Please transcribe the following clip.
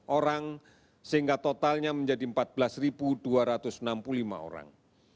empat orang sehingga totalnya menjadi empat belas dua ratus enam puluh lima orang